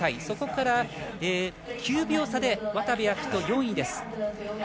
そこから９秒差で渡部暁斗、４位です。